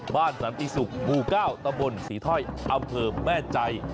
บ้านสนามตีศุกร์หมู่เก้าตำบลสีท้อยเอาเธอแม่ใจ